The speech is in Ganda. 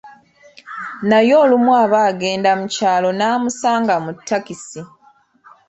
Naye olumu aba agenda mu kyalo n'amusanga mu takisi.